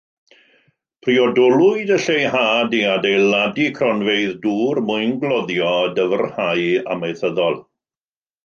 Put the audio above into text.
Priodolwyd y lleihad i adeiladu cronfeydd dŵr, mwyngloddio a dyfrhau amaethyddol.